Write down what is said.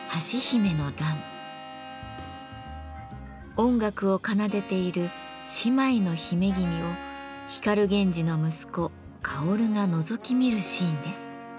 音楽を奏でている姉妹の姫君を光源氏の息子・薫がのぞき見るシーンです。